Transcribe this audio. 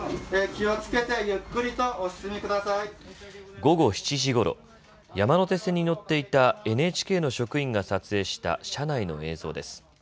午後７時ごろ、山手線に乗っていたＮＨＫの職員が撮影した車内の映像です。